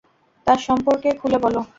তার সম্পর্কে খোলে বলো।